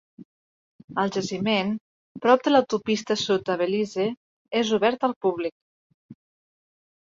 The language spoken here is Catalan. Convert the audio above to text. El jaciment, prop de l'autopista sud de Belize, és obert al públic.